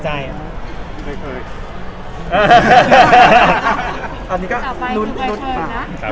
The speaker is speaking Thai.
แต่ไม่มีคนเดียวในใจ